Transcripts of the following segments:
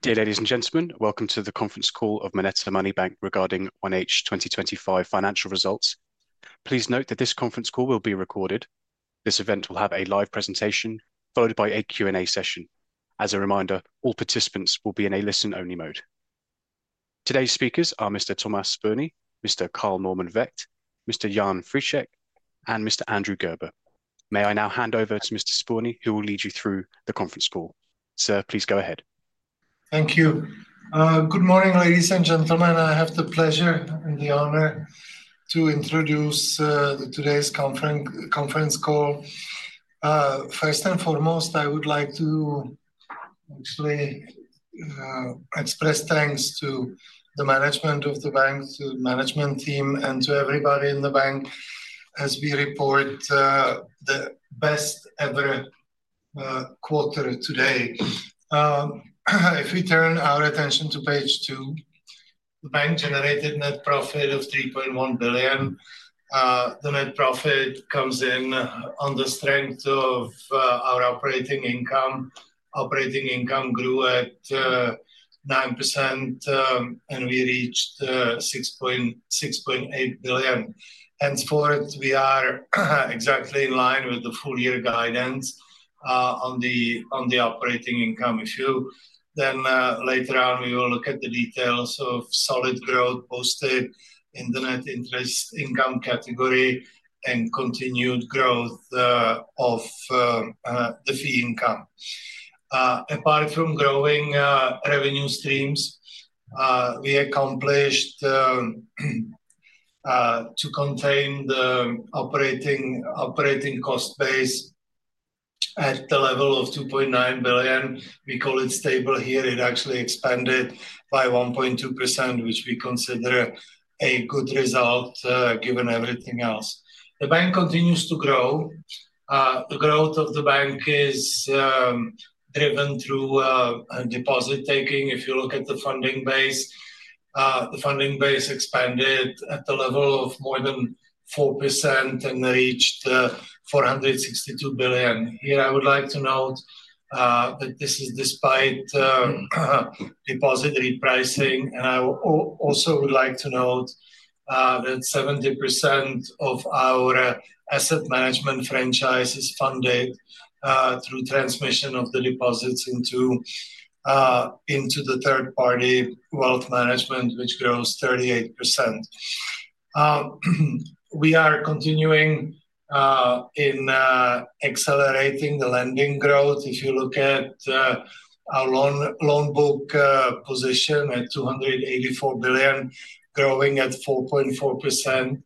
Dear ladies and gentlemen, welcome to the conference call of Monetza Moneybank regarding 1H twenty twenty five Financial Results. Please note that this conference call will be recorded. This event will have a live presentation followed by a Q and A session. Today's speakers are Mr. Thomas Spurney, Mr. Karl Norman Vecht, Mr. Jan Frischek and Mr. Andrew Gerber. May I now hand over to mister Sporny, who will lead you through the conference call. Sir, please go ahead. Thank you. Good morning, and gentlemen. I have the pleasure and the honor to introduce today's conference call. First and foremost, I would like to actually express thanks to the management of the bank, to management team, and to everybody in the bank as we report the best ever quarter today. If we turn our attention to page two, the bank generated net profit of 3,100,000,000.0. The net profit comes in on the strength of our operating income. Operating income grew at 9%, and we reached $6.6800000000.0. Henceforth, we are exactly in line with the full year guidance on the on the operating income issue. Then later on, we will look at the details of solid growth posted in the net interest income category and continued growth of the fee income. Apart from growing revenue streams, we accomplished to contain the operating operating cost base at the level of 2,900,000,000.0. We call it stable here. It actually expanded by 1.2%, which we consider a good result given everything else. The bank continues to grow. The growth of the bank is driven through deposit taking. If you look at the funding base, the funding base expanded at the level of more than 4% and reached 462,000,000,000. Here, I would like to note that this is despite deposit repricing. And I also would like to note that 70% of our asset management franchise is funded through transmission of the deposits into into the third party wealth management, which grows 38%. We are continuing in accelerating the lending growth. If you look at our loan loan book position at 284,000,000,000, growing at 4.4%.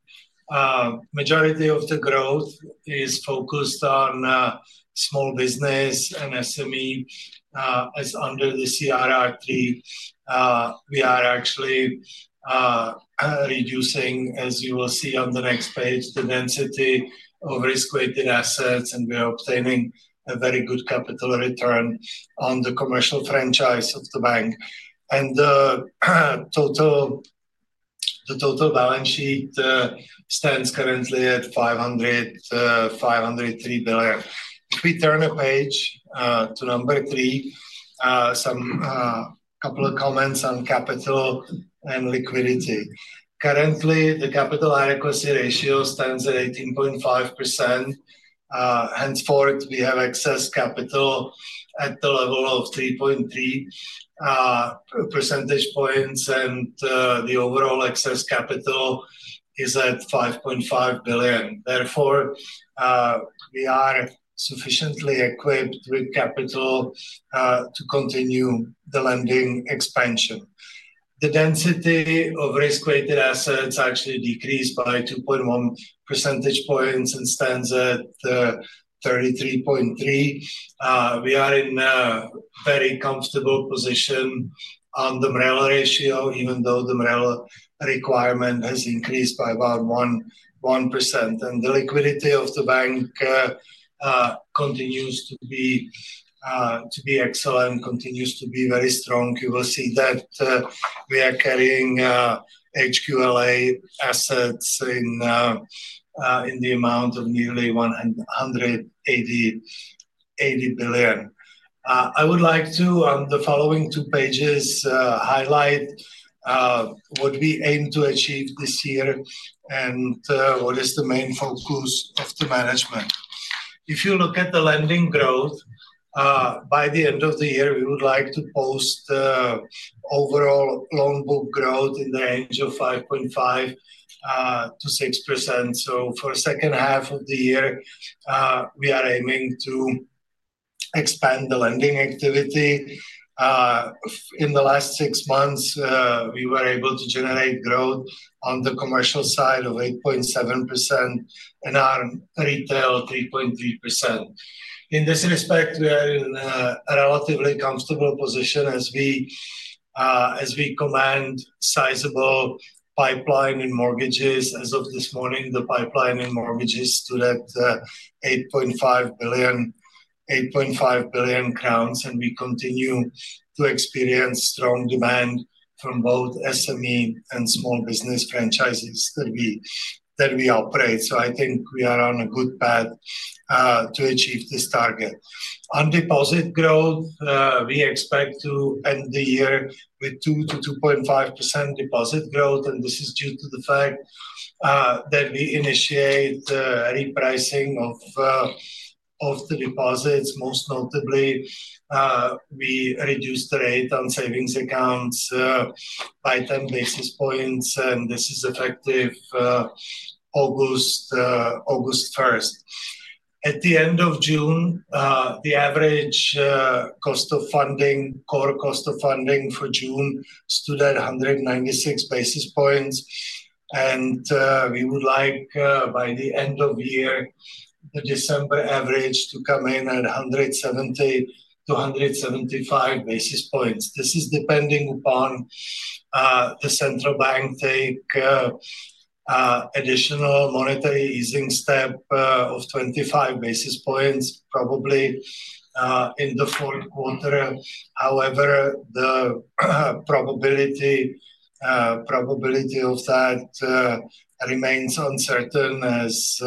Majority of the growth is focused on small business and SME as under the CRR fee. We are actually reducing, as you will see on the next page, the density of risk weighted assets, and we are obtaining a very good capital return on the commercial franchise of the bank. And the total the total balance sheet stands currently at $505,103,000,000,000. If we turn the page to number three, some couple of comments on capital and liquidity. Currently, the capital adequacy ratio stands at 18.5%. Henceforth, we have excess capital at the level of 3.3 percentage points, and the overall excess capital is at 5,500,000,000.0. Therefore, we are sufficiently equipped with capital to continue the lending expansion. The density of risk weighted assets actually actually decreased by 2.1 percentage points and stands at 33.3. We are in a very comfortable position on the MREL ratio even though the MREL requirement has increased by about 11%. And the liquidity of the bank continues to be to be excellent, continues to be very strong. You will see that we are carrying HQLA assets in the amount of nearly $18,080,000,000,000. I would like to the following two pages highlight what we aim to achieve this year and what is the main focus of the management. If you look at the lending growth, by the end of the year, we would like to post overall loan book growth in the range of 5.5 to 6%. So for second half of the year, we are aiming to expand the lending activity. In the last six months, we were able to generate growth on the commercial side of 8.7% and on retail 3.3%. In this respect, we are in a relatively comfortable position as we as we command sizable pipeline in mortgages. As of this morning, the pipeline in mortgages stood at $8500000000.08500000000.0 crowns, and we continue to experience strong demand from both SME and small business franchises that we that we operate. So I think we are on a good path to achieve this target. On deposit growth, we expect to end the year with two to 2.5% deposit growth, and this is due to the fact that we initiate repricing of of the deposits. Most notably, we reduced the rate on savings accounts by 10 basis points, and this is effective August August 1. At the June, the average cost of funding core cost of funding for June stood at a 196 basis points. And we would like by the end of year, the December average to come in at a 170 to a 175 basis points. This is depending upon the central bank take additional monetary easing step of 25 basis points probably in the fourth quarter. However, the probability probability of that remains uncertain as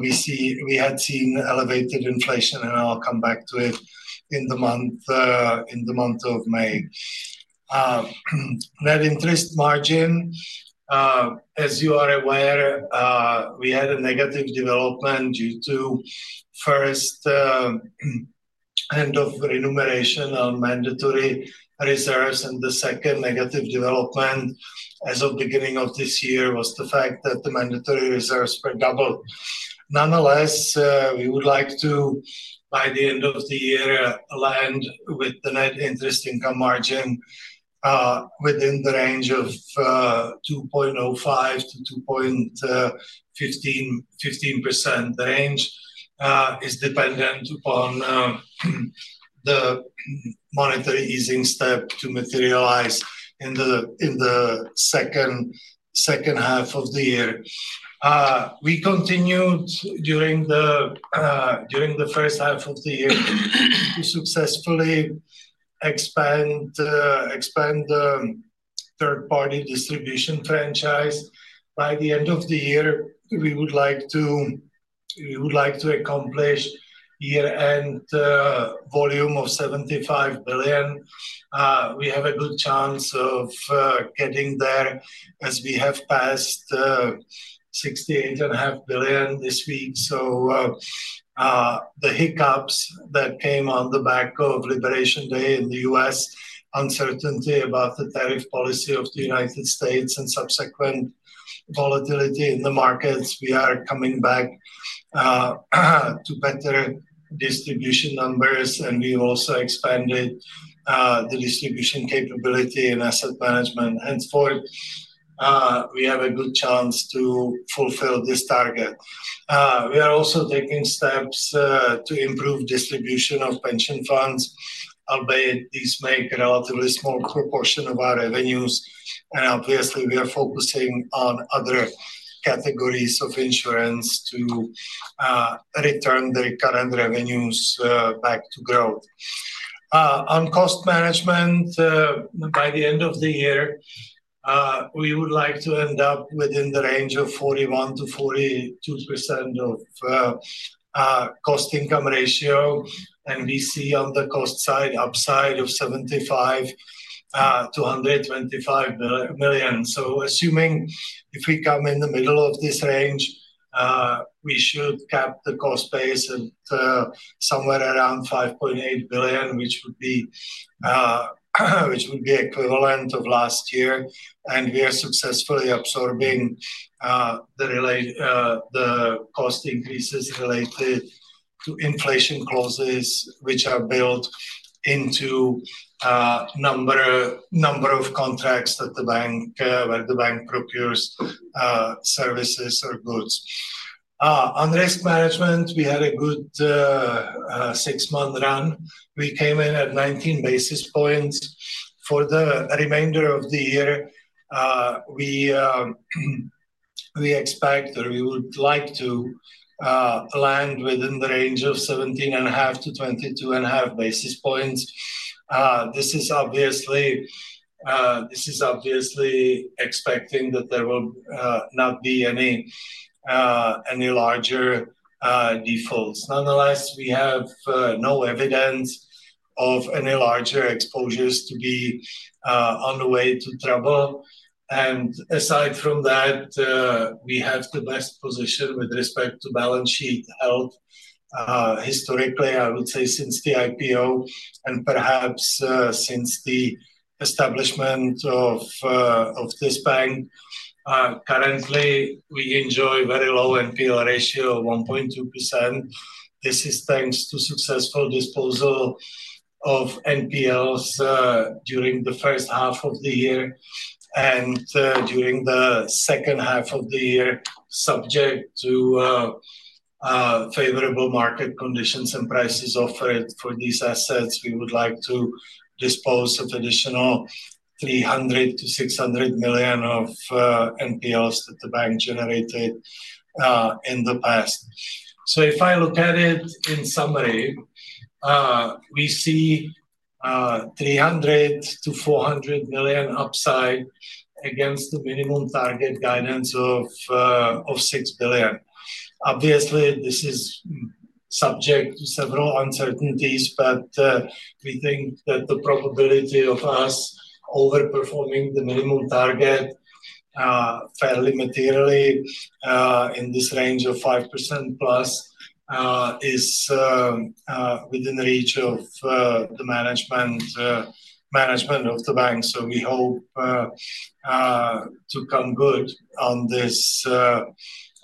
we see we had seen elevated inflation, and I'll come back to it in the month in the month of May. Net interest margin, as you are aware, we had a negative development due to first end of remuneration of mandatory reserves. And the second negative development as of beginning of this year was the fact that the mandatory reserves were doubled. Nonetheless, we would like to, by the end of the year, land with the net interest income margin within the range of two point o five to 2.1515% range is dependent upon the monetary easing step to materialize in the in the second second half of the year. We continue during the during the first half of the year to successfully expand expand the third party distribution franchise. By the end of the year, we would like to we would like to accomplish year end volume of 75,000,000,000. We have a good chance of getting there as we have passed 68 and a half billion this week. So the hiccups that came on the back of Liberation Day in The US, uncertainty about the tariff policy of The United States and subsequent volatility in the markets. We are coming back to better distribution numbers, and we also expanded the distribution capability and asset management. Henceforth, we have a good chance to fulfill this target. We are also taking steps to improve distribution of pension funds. Albeit these make a relatively small proportion of our revenues. And obviously, we are focusing on other categories of insurance to return the current revenues back to growth. On cost management, by the end of the year, we would like to end up within the range of 41 to 42% of cost income ratio, and we see on the cost side upside of 75 to 125,000,000. So assuming if we come in the middle of this range, we should cap the cost base at somewhere around 5,800,000,000.0, which would be which would be equivalent of last year. And we are successfully absorbing the relate the cost increases related to inflation clauses, which are built into number number of contracts that the bank where the bank procures services or goods. On risk management, we had a good six month run. We came in at 19 basis points. For the remainder of the year, we we expect or we would like to land within the range of 17 and a half to 22 and a half basis points. This is obviously this is obviously expecting that there will not be any any larger defaults. Nonetheless, we have no evidence of any larger exposures to be underway to travel. And aside from that, we have the best position with respect to balance sheet health. Historically, I would say since the IPO and perhaps since the establishment of of this bank. Currently, we enjoy very low NPL ratio of 1.2. This is thanks to successful disposal of NPLs during the first half of the year And during the second half of the year, subject to favorable market conditions and prices offered for these assets, we would like to dispose of additional 300 to 600,000,000 of NPLs that the bank generated in the past. So if I look at it in summary, we see 300 to 400,000,000 upside against the minimum target guidance of of 6,000,000,000. Obviously, this is subject to several uncertainties, but we think that the probability of us over performing the minimum target fairly materially in this range of 5% plus is within the reach of the management management of the bank. So we hope to come good on this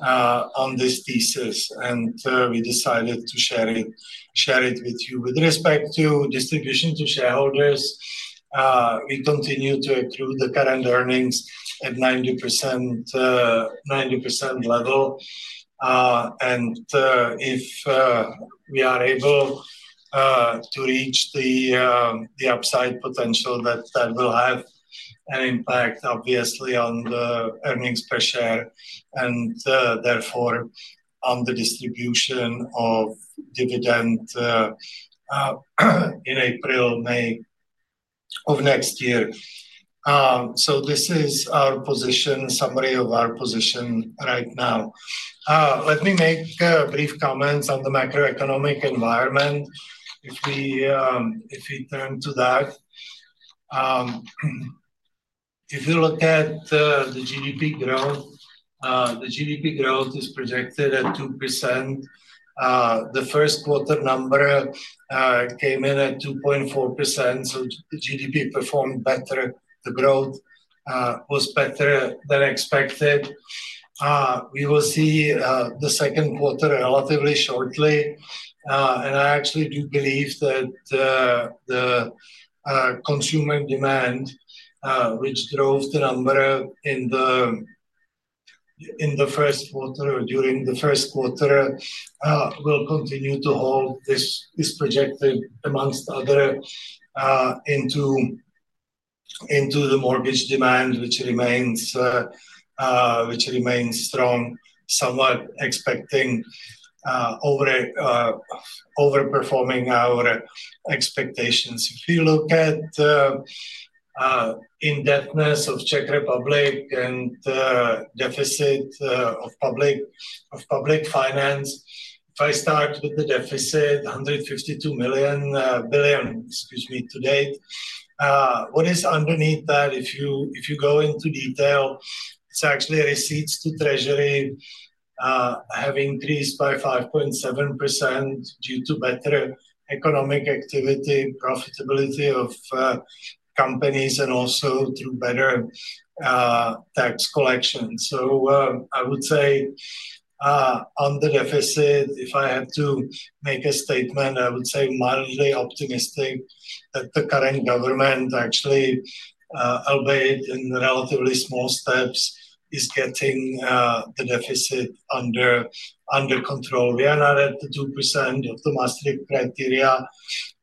on this thesis, and we decided to share it share it with you. With respect to distribution to shareholders, we continue to accrue the current earnings at 9090% level. And if we are able to reach the upside potential that that will have an impact, obviously, on the earnings per share and therefore, on the distribution of dividend in April, May of next year. So this is our position summary of our position right now. Let me make brief comments on the macroeconomic environment if we if we turn to that. If you look at GDP growth, the GDP growth is projected at 2%. The first quarter number came in at 2.4. So the GDP performed better. The growth was better than expected. We will see the second quarter relatively shortly. And I actually do believe that consumer demand, which drove the number in the in the first quarter or during the first quarter, will continue to hold this this projected amongst other into into the mortgage demand, which remains which remains strong, somewhat expecting over overperforming our expectations. If you look at indebtedness of Czech Republic and deficit of public of public finance, if I start with the deficit, 152,000,000 billion, excuse me, to date. What is underneath that? If you if you go into detail, it's actually receipts to treasury have increased by 5.7% due to better economic activity, profitability of companies, and also through better tax collections. So I would say on the deficit, if I had to make a statement, I would say mildly optimistic that the current government actually, albeit in relatively small steps, is getting the deficit under under control. We are not at the 2% of the mastery criteria,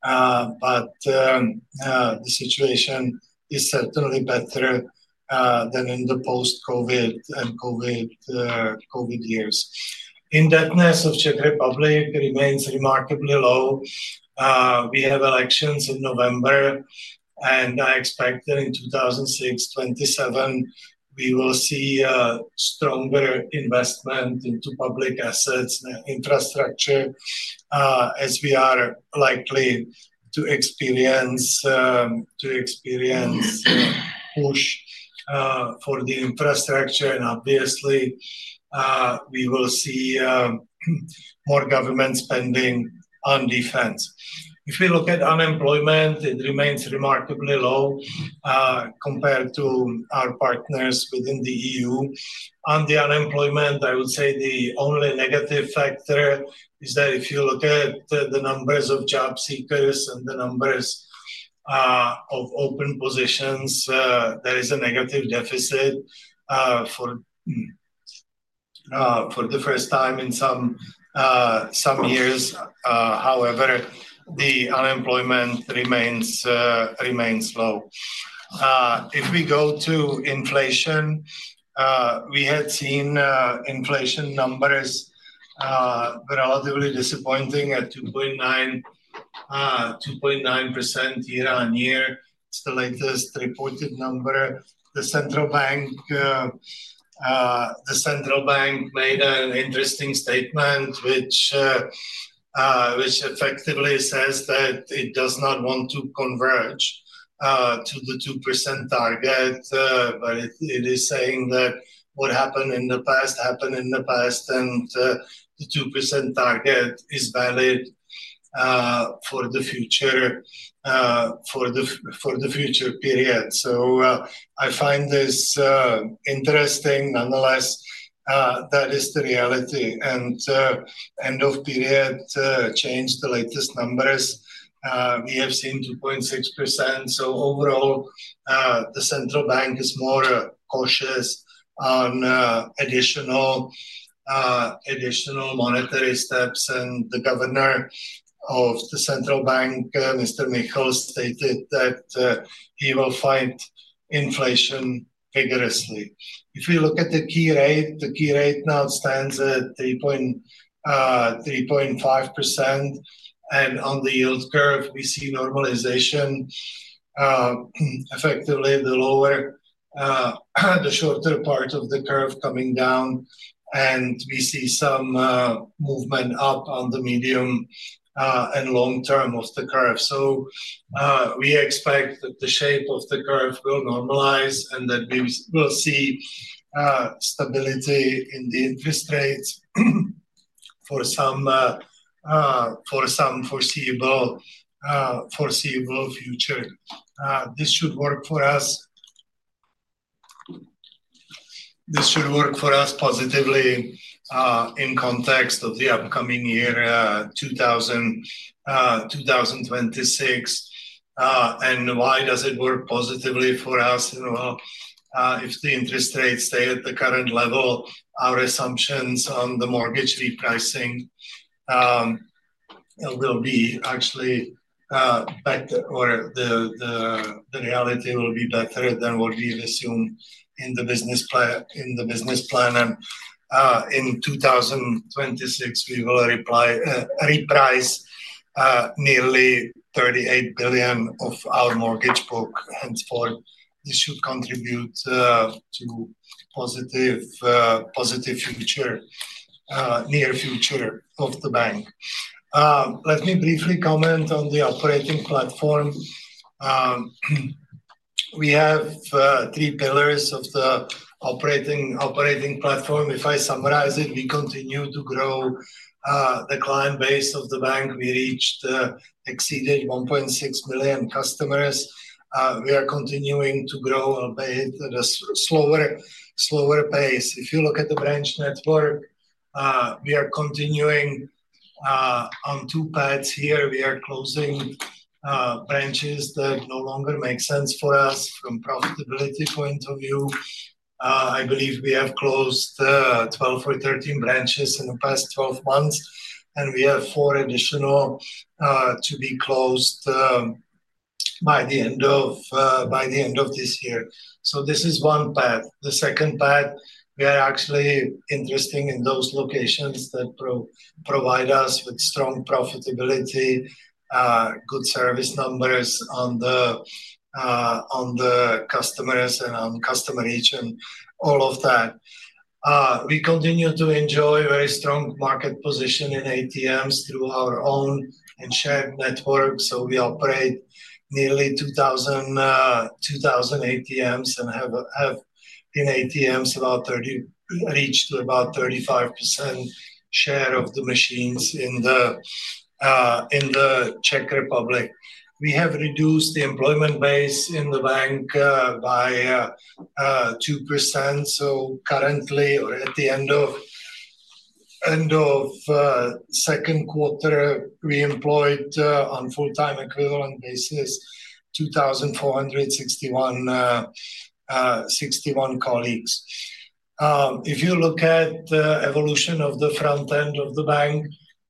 but the situation is certainly better than in the post COVID and COVID COVID years. Indebtedness of Czech Republic remains remarkably low. We have elections in November, and I expect that in 02/1927, we will see stronger investment into public assets and infrastructure as we are likely to experience to experience push for the infrastructure. And, we will see more government spending on defense. If we look at unemployment, it remains remarkably low compared to our partners within the EU. On the unemployment, I would say the only negative factor is that if you look at the the numbers of job seekers and the numbers of open positions, there is a negative deficit for for the first time in some some years. However, the unemployment remains remains low. If we go to inflation, we had seen inflation numbers relatively disappointing at 2.920.9% year on year. It's the latest reported number. The central bank the central bank made an interesting statement, which which effectively says that it does not want to converge to the 2% target, but it it is saying that what happened in the past happened in the past, and the 2% target is valid for the future for the for the future period. So I find this interesting. Nonetheless, that is the reality. And end of period changed the latest numbers. We have seen 2.6%. So overall, the central bank is more cautious on additional additional monetary steps, and the governor of the Central Bank, mister Mikhos, stated that he will fight inflation vigorously. If we look at the key rate, the key rate now stands at 3.30.5%. And on the yield curve, we see normalization effectively the lower, the shorter part of the curve coming down, and we see some movement up on the medium and long term of the curve. So we expect that the shape of the curve will normalize and that we will see stability in the interest rates for some for some foreseeable foreseeable future. This should work for us this should work for us positively in context of the upcoming year 02/2026. And why does it work positively for us? You know, if the interest rates stay at the current level, our assumptions on the mortgage repricing will be actually better or the the the reality will be better than what we've assumed in the business plan in the business plan. And in 02/1926, we will reply reprice nearly 38,000,000,000 of our mortgage book. Henceforth, this should contribute to positive positive future near future of the bank. Let me briefly comment on the operating platform. We have three pillars of the operating operating platform. If I summarize it, we continue to grow the client base of the bank. We reached exceeded 1,600,000 customers. We are continuing to grow a bit at a slower slower pace. If you look at the branch network, we are continuing on two paths here. We are closing branches that no longer make sense for us from profitability point of view. I believe we have closed 12 or 13 branches in the past twelve months, and we have four additional to be closed by the end of by the end of this year. So this is one path. The second path, we are actually interesting in those locations that provide us with strong profitability, good service numbers on the on the customers and on customer reach and all of that. We continue to enjoy very strong position in ATMs through our own and shared network. So we operate nearly 4,000 ATMs and have have in ATMs, 30 reached to about 35% share of the machines in the in The Czech Republic. We have reduced the employment base in the bank by 2%. So currently, at the end of end of second quarter, we employed on full time equivalent basis two thousand four hundred sixty one sixty one colleagues. If you look at the evolution of the front end of the bank,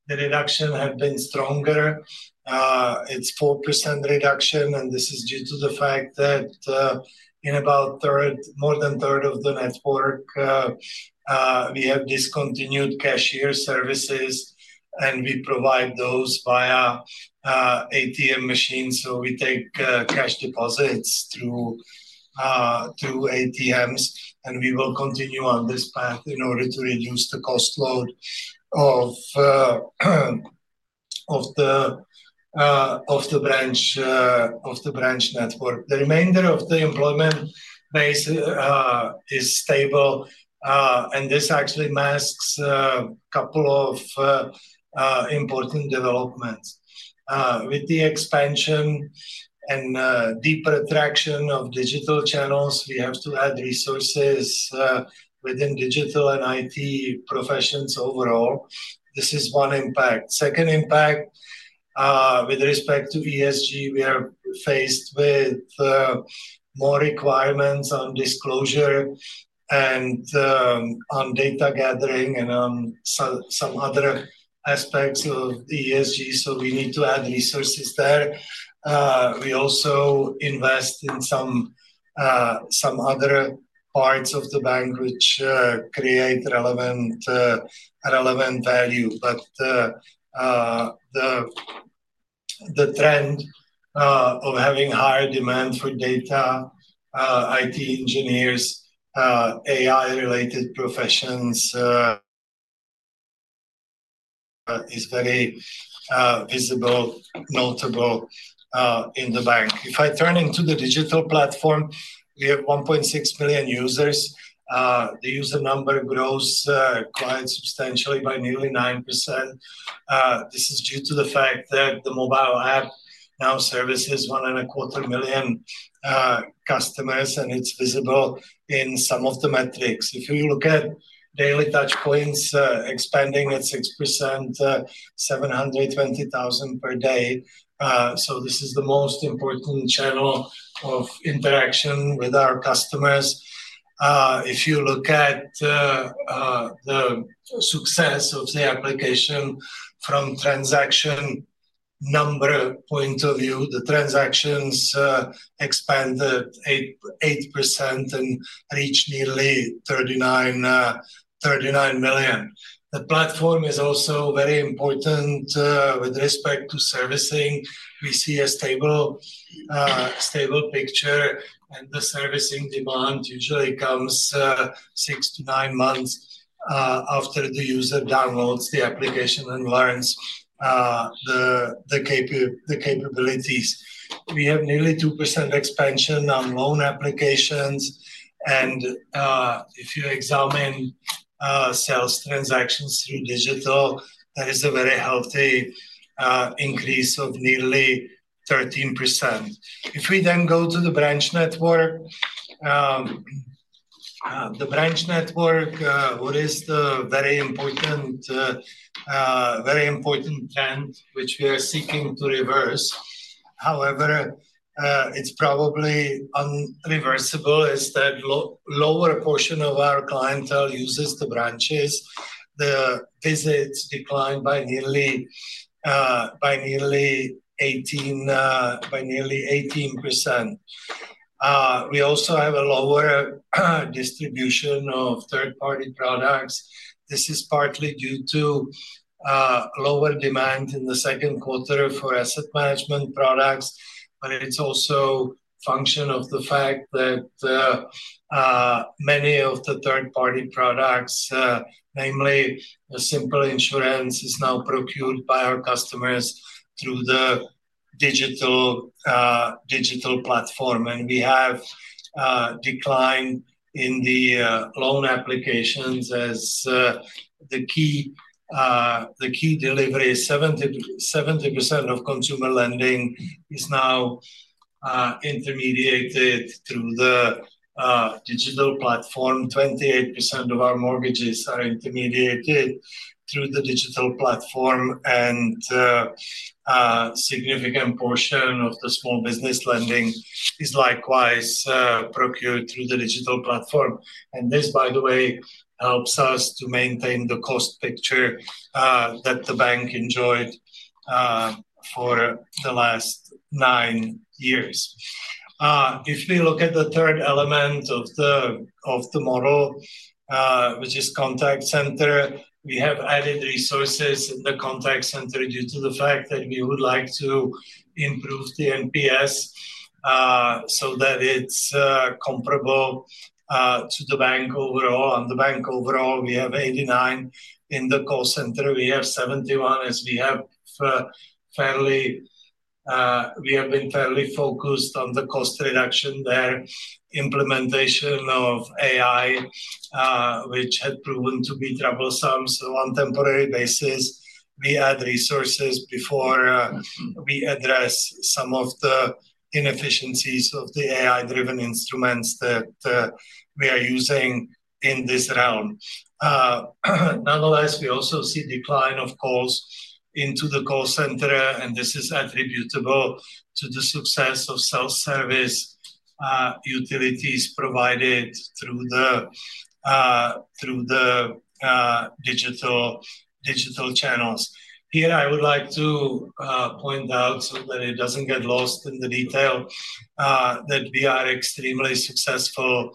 the reduction had been stronger. It's 4% reduction, and this is due to the fact that in about third more than third of the network, We have discontinued cashier services, and we provide those via ATM machines. So we take cash deposits through through ATMs, and we will continue on this path in order to reduce the cost load of of the of the branch of the branch network. The remainder of the employment base is stable, and this actually masks couple of important developments. With the expansion and deeper attraction of digital channels, we have to add resources within digital and IT professions overall. This is one impact. Second impact, with respect to ESG, we are faced with more requirements on disclosure and on data gathering and some some other aspects of ESG. So we need to add resources there. We also invest in some some other parts of the bank, which create relevant relevant value. But the trend of having higher demand for data, IT engineers, AI related professions is very visible, notable in the bank. If I turn into the digital platform, we have 1,600,000 users. The user number grows quite substantially by nearly 9%. This is due to the fact that the mobile app now services one and a quarter million customers, and it's visible in some of the metrics. If you look at daily touch points expanding at 6%, 720,000 per day. So this is the most important channel of interaction with our customers. If you look at the success of the application from transaction number point of view, the transactions expanded 88% and reached nearly thirty nine thirty nine million. The platform is also very important with respect to servicing. We see a stable stable picture, and the servicing demand usually comes six to nine months after the user downloads the application and learns the the the capabilities. We have nearly 2% expansion on loan applications. And if you examine sales transactions through digital, that is a very healthy increase of nearly 13%. If we then go to the branch network, the branch network, what is the very important very important trend which we are seeking to reverse? However, it's probably unreversible is that low lower portion of our clientele uses the branches. The visits declined by nearly by nearly 18 by nearly 18%. We also have a lower distribution of third party products. This is partly due to lower demand in the second quarter for asset management products, but it's also function of the fact that many of the third party products, namely a simple insurance is now procured by our customers through the digital digital platform. And we have decline in the loan applications as the key the key delivery is 7070% of consumer lending is now intermediated through the digital platform. 28% of our mortgages are intermediated through the digital platform, and a significant portion of the small business lending is likewise procured through the digital platform. And this, by the way, helps us to maintain the cost picture that the bank enjoyed for the last nine years. If we look at the third element of the of the model, which is contact center, we have added resources in the contact center due to the fact that we would like to improve the NPS so that it's comparable to the bank overall. On the bank overall, we have 89 in the call center. We have 71 as we have fairly we have been fairly focused on the cost reduction there, implementation of AI, which had proven to be troublesome. So on temporary basis, we add resources before we address some of the inefficiencies of the AI driven instruments that we are using in this realm. Nonetheless, we also see decline of calls into the call center, and this is attributable to the success of self-service utilities provided through the through the digital digital channels. Here, I would like to point out so that it doesn't get lost in the detail that we are extremely successful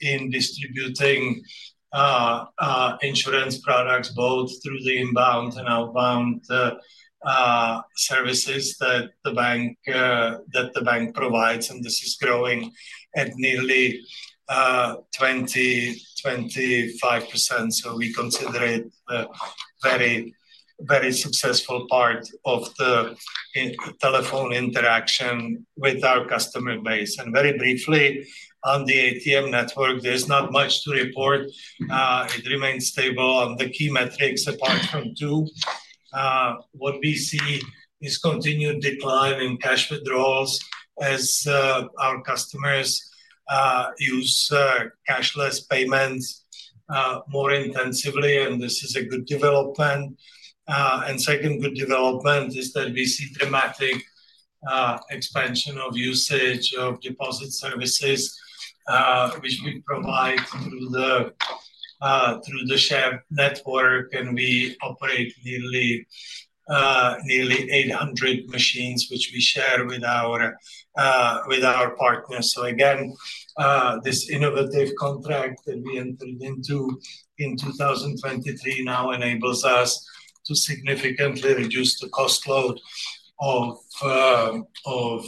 in distributing insurance products both through the inbound and outbound services that the bank that the bank provides, and this is growing at nearly 2025%. So we consider it very, very successful part of the telephone interaction with our customer base. And very briefly, on the ATM network, there's not much to report. It remains stable on the key metrics apart from two. What we see is continued decline in cash withdrawals as our customers use cashless payments more intensively, and this is a good development. And second good development is that we see dramatic expansion of usage of deposit services, which we provide through the through the shared network, and we operate nearly nearly 800 machines, which we share with our with our partners. So again, this innovative contract that we entered into in 2023 now enables us to significantly reduce the cost load of of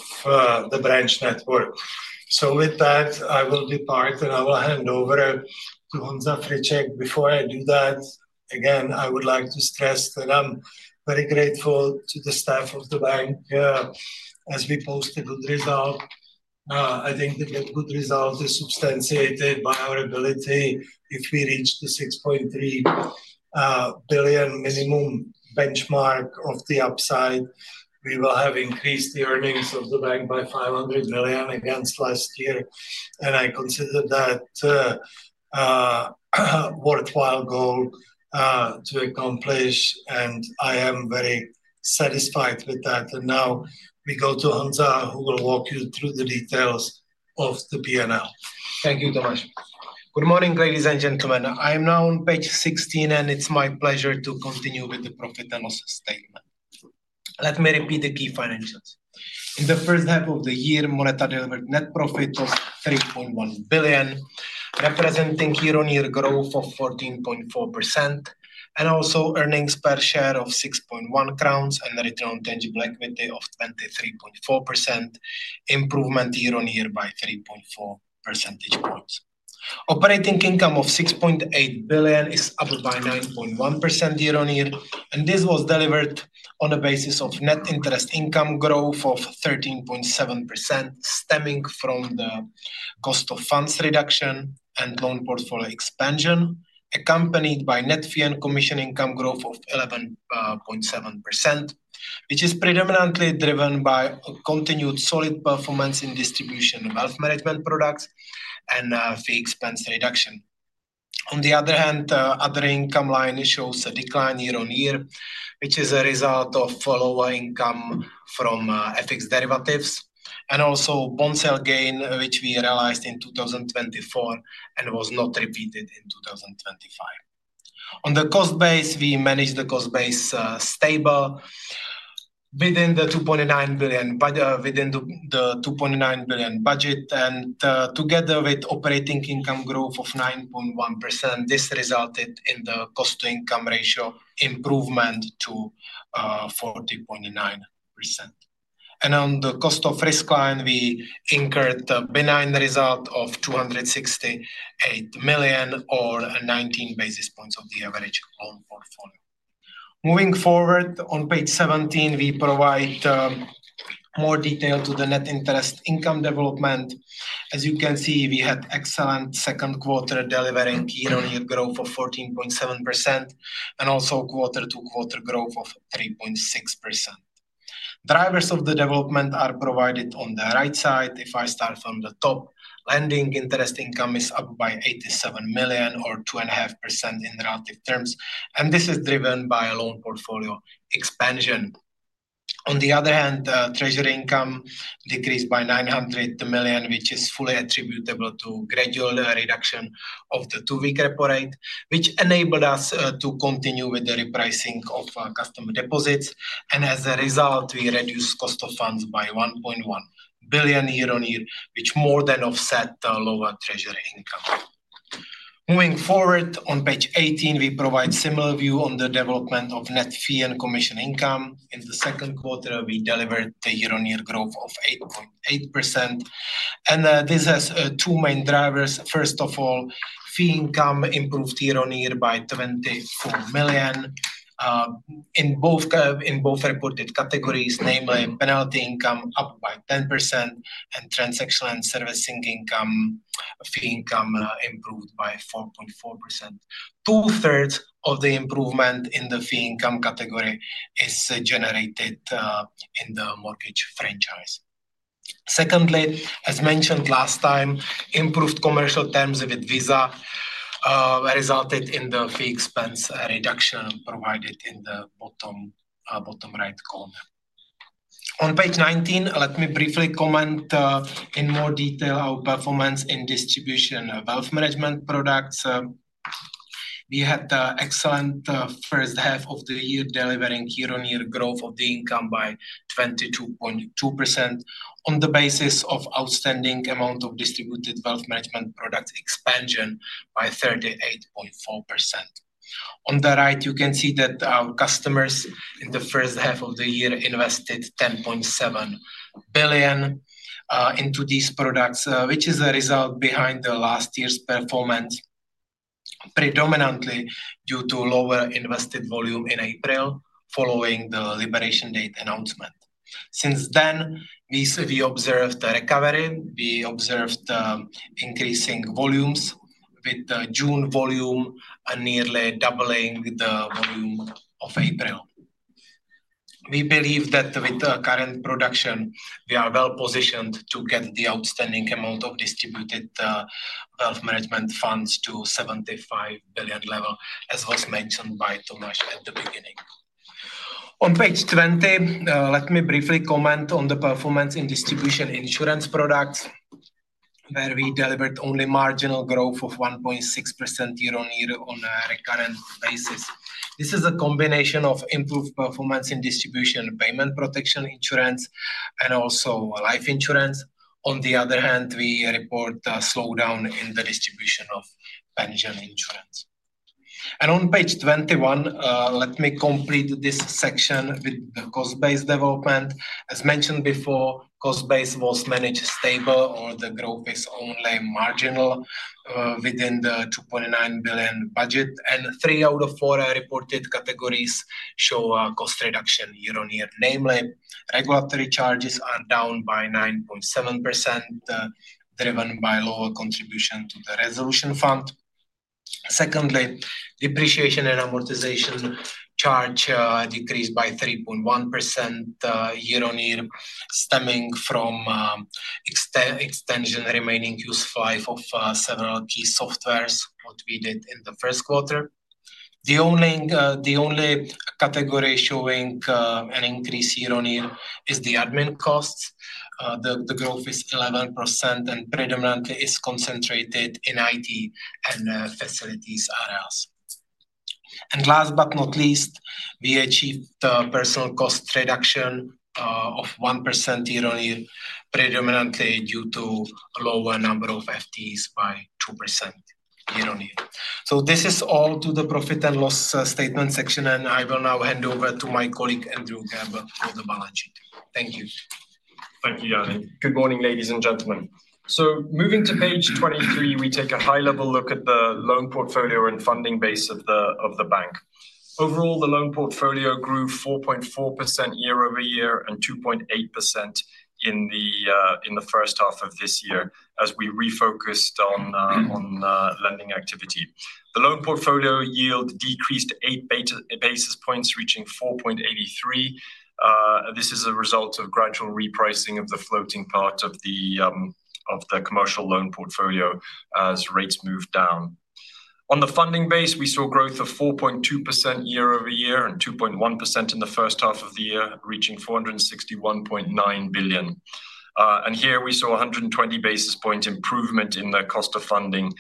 the branch network. So with that, I will depart, and I will hand over to Hansafrichek. Before I do that, again, I would like to stress that I'm very grateful to the staff of the bank as we posted good result. I think that the good result is substantiated by our ability If we reach the 6,300,000,000.0 minimum benchmark of the upside, we will have increased the earnings of the bank by 500,000,000 against last year. And I consider that worthwhile goal to accomplish, and I am very satisfied with that. And now we go to Hansa who will walk you through the details of the p and l. Thank you, Thomas. Good morning, ladies and gentlemen. I am now on Page 16, and it's my pleasure to continue with the profit analysis statement. Let me repeat the key financials. In the first half of the year, Moneta delivered net profit of 100,000,000.0, representing year on year growth of 14.4% and also earnings per share of EUR 6.1 and the return on tangible equity of 23.4%, improvement year on year by 3.4 percentage points. Operating income of 6,800,000,000.0 is up by 9.1% year on year, and this was delivered on the basis of net interest income growth of 13.7% stemming from the cost of funds reduction and loan portfolio expansion, accompanied by net fee and commission income growth of 11.7%, which is predominantly driven by continued solid performance in distribution wealth management products and fee expense reduction. On the other hand, other income line shows a decline year on year, which is a result of follower income from FX derivatives and also bond sale gain, which we realized in 2024 and was not repeated in 02/2025. On the cost base, we managed the cost base stable within the 2,900,000,000.0 by the within the the 2,900,000,000.0 budget. And together with operating income growth of 9.1%, this resulted in the cost to income ratio improvement to 40.9%. And on the cost of risk line, we incurred a benign result of 268,000,000 or 19 basis points of the average loan portfolio. Moving forward, on Page 17, we provide more detail to the net interest income development. As you can see, we had excellent second quarter delivering year on year growth of 14.7% and also quarter to quarter growth of 3.6%. Drivers of the development are provided on the right side. If I start from the top, lending interest income is up by 87,000,000 or two and a half percent in the relative terms, and this is driven by loan portfolio expansion. On the other hand, treasury income decreased by 900,000,000, which is fully attributable to gradual reduction of the two week repo rate, which enabled us to continue with the repricing of customer deposits. And as a result, we reduced cost of funds by 1,100,000,000.0 year on year, which more than offset the lower treasury income. Moving forward, on Page 18, we provide similar view on the development of net fee and commission income. In the second quarter, delivered a year on year growth of 8.8%. And this has two main drivers. First of all, fee income improved year on year by 24,000,000 in both in both reported categories, namely, penalty income up by 10% and transaction and servicing income fee income improved by 4.4%. Two thirds of the improvement in the fee income category is generated in the mortgage franchise. Secondly, as mentioned last time, improved commercial terms with Visa resulted in the fee expense reduction provided in the bottom bottom right column. On page 19, let me briefly comment in more detail our performance in distribution of wealth management products. We had excellent first half of the year delivering year on year growth of the income by 22.2% on the basis of outstanding amount of distributed wealth management product expansion by 38.4%. On the right, you can see that our customers in the first half of the year invested 10,700,000,000.0 into these products, which is a result behind the last year's performance predominantly due to lower invested volume in April following the liberation date announcement. Since then, we see we observed the recovery. We observed increasing volumes with June volume nearly doubling with the volume of April. We believe that with the current production, we are well positioned to get the outstanding amount of distributed wealth management funds to 75,000,000,000 level as was mentioned by Thomas at the beginning. On Page 20, let me briefly comment on the performance in distribution insurance products where we delivered only marginal growth of 1.6% year on year on a recurrent basis. This is a combination of improved performance in distribution, payment protection insurance, and also life insurance. On the other hand, we report a slowdown in the distribution of pension insurance. And on page 21, let me complete this section with the cost base development. As mentioned before, cost base was managed stable or the growth is only marginal within the 2,900,000,000.0 budget. And three out of four reported categories show a cost reduction year on year, namely. Regulatory charges are down by 9.7%, driven by lower contribution to the resolution fund. Secondly, depreciation and amortization charge decreased by 3.1% year on year stemming from extension remaining use five of several key softwares, what we did in the first quarter. The only the only category showing an increase year on year is the admin costs. The the growth is 11% and predominantly is concentrated in IT and facilities. And last but not least, we achieved the personal cost reduction of 1% year on year, predominantly due to a lower number of FTEs by 2% year on year. So this is all to the profit and loss statement section, and I will now hand over to my colleague, Andrew Gabb, for the Thank you. Thank you, Yarling. Good morning, ladies and gentlemen. So moving to Page 23, we take a high level look at the loan portfolio and funding base of the bank. Overall, the loan portfolio grew 4.4% year over year and 2.8% in the first half of this year as we refocused on lending activity. The loan portfolio yield decreased eight basis points reaching 4.83. This is a result of gradual repricing of the floating part of the commercial loan portfolio as rates moved down. On the funding base, we saw growth of 4.2% year over year and 2.1% in the first half of the year reaching $461,900,000,000 And here, we saw 120 basis point improvement in the cost of funding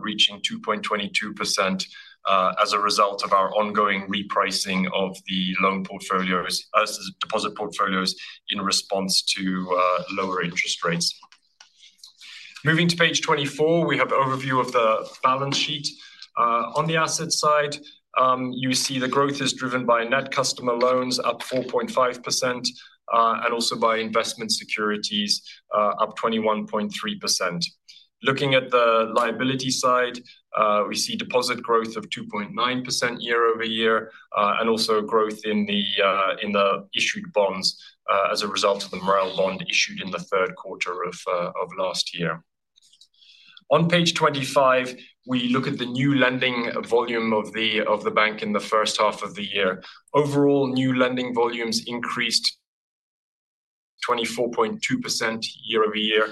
reaching 2.22% as a result of our ongoing repricing of the loan portfolios as deposit portfolios in response to lower interest rates. Moving to Page 24, we have an overview of the balance sheet. On the asset side, you see the growth is driven by net customer loans up 4.5% and also by investment securities up 21.3%. Looking at the liability side, we see deposit growth of 2.9% year over year and also growth in the in the issued bonds as a result of the Morale bond issued in the third quarter of last year. On page 25, we look at the new lending volume of the bank in the first half of the year. Overall, lending volumes increased 24.2 year over year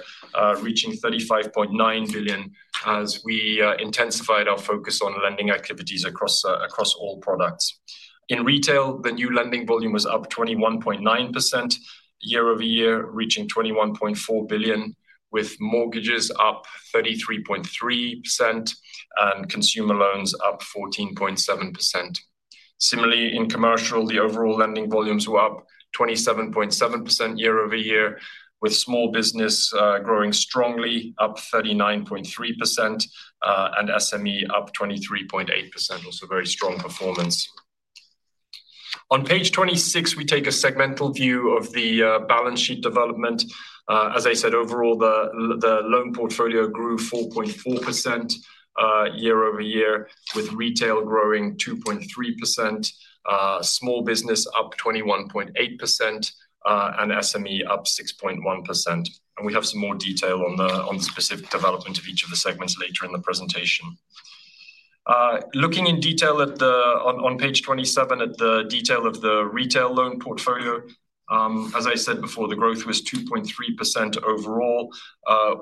reaching $35,900,000,000 as we intensified our focus on lending activities across all products. In retail, the new lending volume was up 21.9% year over year reaching $21,400,000,000 with mortgages up 33.3 and consumer loans up 14.7%. Similarly, in commercial, the overall lending volumes were up 27.7% year over year with small business growing strongly, up 39.3% and SME up 23.8%, also very strong performance. On Page 26, we take a segmental view of the balance sheet development. As I said, overall, the loan portfolio grew 4.4% year over year with retail growing 2.3%, small business up 21.8% and SME up 6.1. And we have some more detail on the specific development of each of the segments later in the presentation. Looking in detail at the on Page 27 at the detail of the retail loan portfolio. As I said before, the growth was 2.3% overall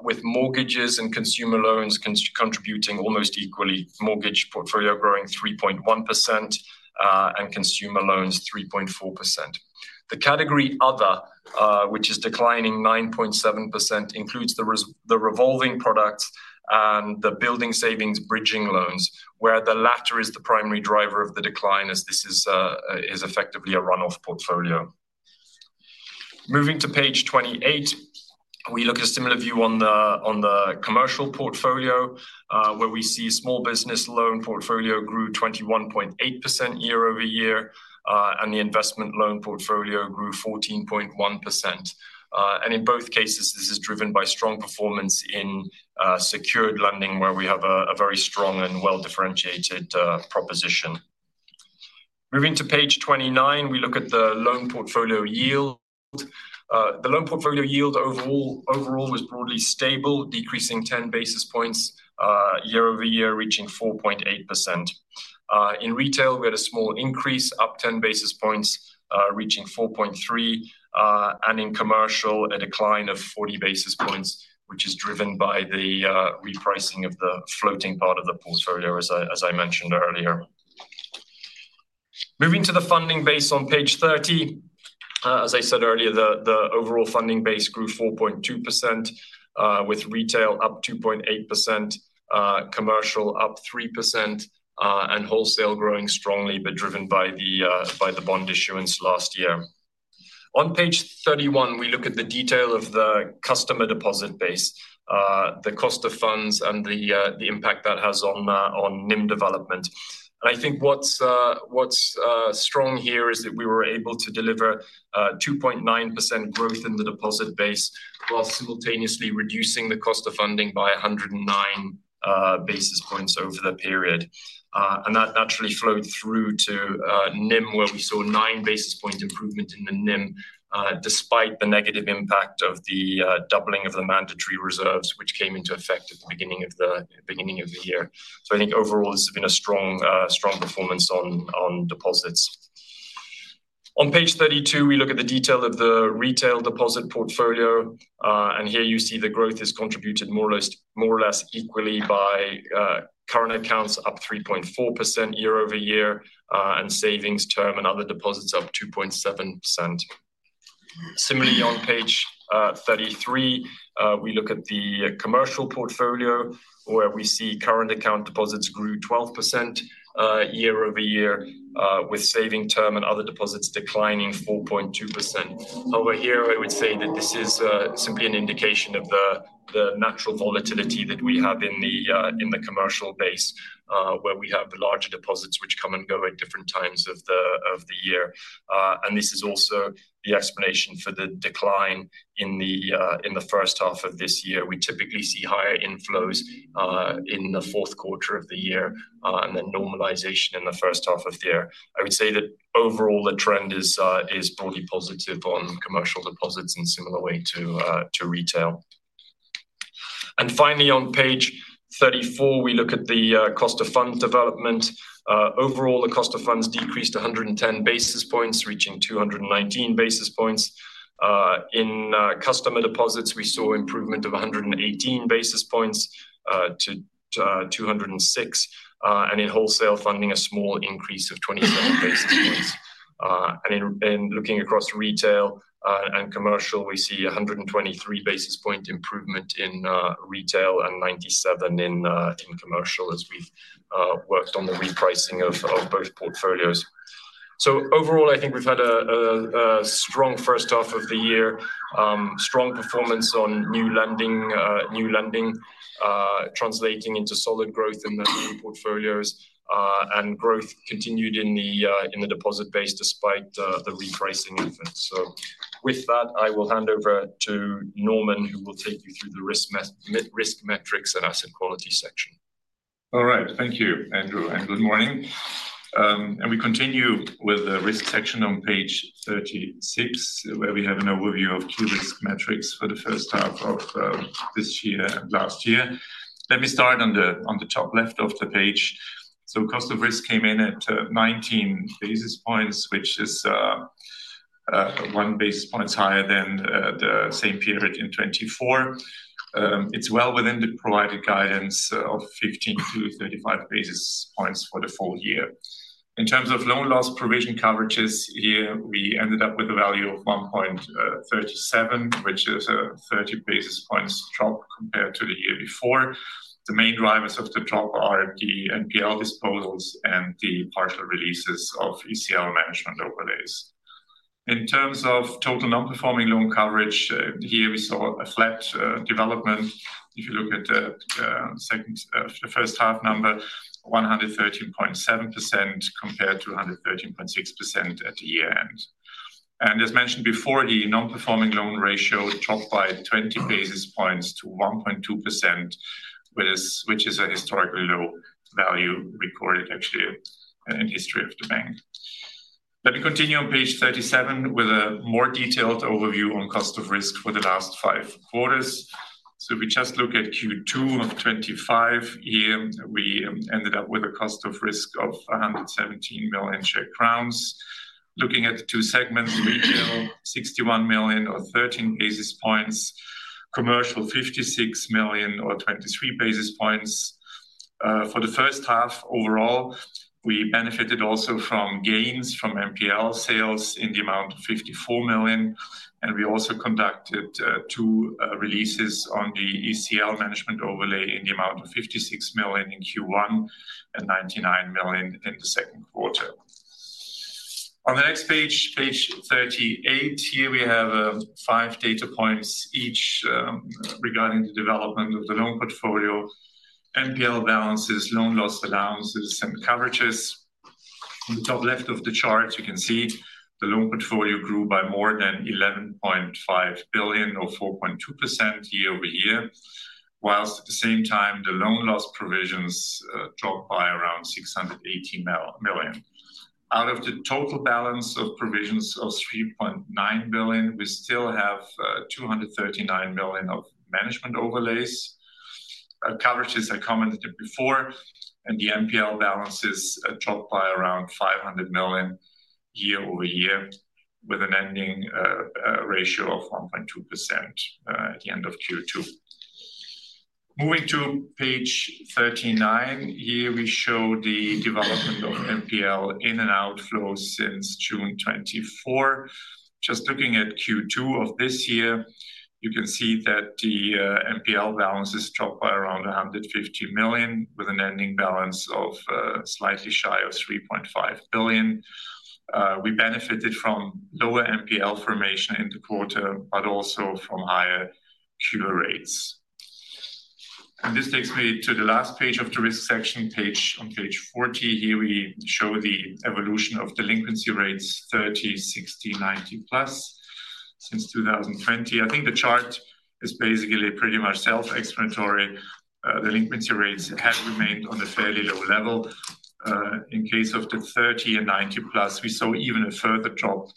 with mortgages and consumer loans contributing almost equally, mortgage portfolio growing 3.1% and consumer loans 3.4%. The category other, which is declining 9.7% includes the revolving products and the building savings bridging loans, where the latter is the primary driver of the decline as this is effectively a runoff portfolio. Moving to page 28, we look at a similar view on the commercial portfolio where we see small business loan portfolio grew 21.8% year over year and the investment loan portfolio grew 14.1. And in both cases, this is driven by strong performance in secured lending where we have a very strong and well differentiated proposition. Moving to page 29, we look at the loan portfolio yield. The loan portfolio yield overall was broadly stable, decreasing 10 basis basis points year over year reaching 4.8%. In retail, we had a small increase, up 10 basis points reaching 4.3%. And in commercial, a decline of 40 basis points, which is driven by the repricing of the floating part of the portfolio as I mentioned earlier. Moving to the funding base on page 30. As I said earlier, the overall funding base grew 4.2% with retail up 2.8%, commercial up 3%, and wholesale growing strongly but driven by the bond issuance last year. On page 31, we look at the detail of the customer deposit base, the cost of funds, and the impact that has on NIM development. And I think what's strong here is that we were able to deliver 2.9% growth in the deposit base while simultaneously reducing the cost of funding by 109 basis points over the period. And that naturally flowed through to NIM where we saw nine basis point improvement in the NIM despite the negative impact of the doubling of the mandatory reserves, which came into effect at the beginning of the year. So I think overall, it's been a strong performance on deposits. On page 32, we look at the detail of the retail deposit portfolio. And here you see the growth has contributed more or less equally by current accounts up 3.4% year over year and savings term and other deposits up 2.7%. Similarly, on page 33, we look at the commercial portfolio where we see current account deposits grew 12% year over year with saving term and other deposits declining 4.2%. Over here, I would say that this is simply an indication of the the natural volatility that we have in the in the commercial base where we have the larger deposits which come and go at different times of the year. And this is also the explanation for the decline in the first half of this year. We typically see higher inflows in the fourth quarter of the year and then normalization in the first half of the year. I would say that overall, the trend is broadly positive on commercial deposits in similar way to retail. And finally, on Page 34, we look at the cost of fund development. Overall, the cost of funds decreased 110 basis points reaching two nineteen basis points. In customer deposits, we saw improvement of 118 basis points to two zero six and in wholesale funding a small increase of 27 basis points. And looking across retail and commercial, we see 123 basis point improvement in retail and 97 basis in commercial as we worked on the repricing of both portfolios. So overall, I think we've had a strong first half of the year, strong performance on new lending translating into solid growth in the new portfolios and growth continued in the deposit base despite the repricing efforts. So with that, I will hand over to Norman who will take you through the risk met mid risk metrics and asset quality section. Alright. Thank you, Andrew, and good morning. And we continue with the risk section on page 36, where we have an overview of key risk metrics for the first half of this year, last year. Let me start on the on the top left of the page. So cost of risk came in at 19 basis points, which is one basis points higher than the same period in '24. It's well within the provided guidance of 15 to 35 basis points for the full year. In terms of loan loss provision coverages here, we ended up with a value of 1.37, which is a 30 basis points drop compared to the year before. The main drivers of the drop are the NPL disposals and the partial releases of ECL management overlays. In terms of total nonperforming loan coverage, here, we saw a flat development. If you look at the second the first half number, 113.7% compared to 113.6% at year end. And as mentioned before, the nonperforming loan ratio dropped by 20 basis points to 1.2%, which is a historically low value recorded actually in history of the bank. Let me continue on page 37 with a more detailed overview on cost of risk for the last five quarters. So if we just look at '25 here, we ended up with a cost of risk of a 117,000,000 sheikh crowns. Looking at the two segments, retail, 61,000,000 or 13 basis points. Commercial, 56,000,000 or 23 basis points. For the first half overall, we benefited also from gains from NPL sales in the amount of $54,000,000 and we also conducted two releases on the ECL management overlay in the amount of $56,000,000 in Q1 and $99,000,000 in the second quarter. On the next page, Page 38, here we have five data points each regarding the development of the loan portfolio, NPL balances, loan loss allowances and coverages. In the top left of the chart, you can see the loan portfolio grew by more than 11,500,000,000.0 or 4.2% year over year, whilst at the same time, the loan loss provisions dropped by around 618,000,000. Out of the total balance of provisions of 3,900,000,000.0, we still have 239,000,000 of management overlays. Coverage is a common tip before, and the NPL balances dropped by around 500,000,000 year over year with an ending ratio of 1.2% at the end of q two. Moving to Page 39. Here, we show the development of NPL in and outflows since June 24. Just looking at q two of this year, you can see that the NPL balances dropped by around 150,000,000 with an ending balance of slightly shy of 3,500,000,000.0. We benefited from lower NPL formation in the quarter, but also from higher cure rates. And this takes me to the last page of the risk section page on page 40. Here, we show the evolution of delinquency rates, thirty, sixty, ninety plus since 02/2020. I think the chart is basically pretty much self explanatory. Delinquency rates have remained on a fairly low level. In case of the thirty and ninety plus, we saw even a further drop